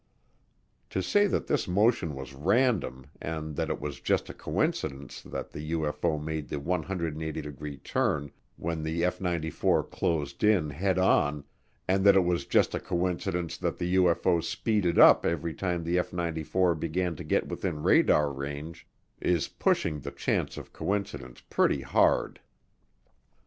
To say that this motion was random and that it was just a coincidence that the UFO made the 180 degree turn when the F 94 closed in head on and that it was just a coincidence that the UFO speeded up every time the F 94 began to get within radar range is pushing the chance of coincidence pretty hard.